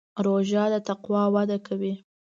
روژه د تقوا وده کوي.